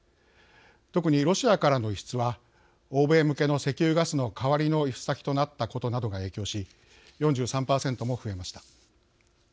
特にロシアからの輸出は欧米向けの石油ガスの代わりの輸出先となったことなどが影響し４３％も増えました。